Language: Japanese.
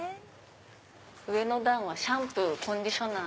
上の段はシャンプーコンディショナー。